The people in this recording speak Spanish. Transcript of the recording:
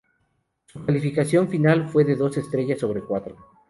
Su calificación final fue de dos estrellas sobre cuatro.